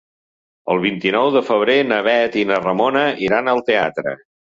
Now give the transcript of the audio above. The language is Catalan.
El vint-i-nou de febrer na Bet i na Ramona iran al teatre.